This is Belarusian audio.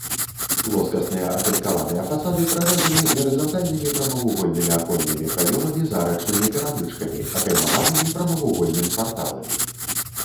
Плоскасныя атынкаваныя фасады прарэзаны гарызантальнымі прамавугольнымі аконнымі праёмамі з арачнымі перамычкамі, акаймаванымі прамавугольным парталамі.